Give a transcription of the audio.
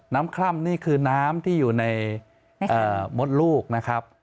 คล่ำนี่คือน้ำที่อยู่ในมดลูกนะครับ